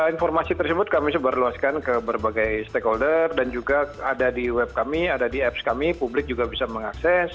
informasi tersebut kami sebarluaskan ke berbagai stakeholder dan juga ada di web kami ada di apps kami publik juga bisa mengakses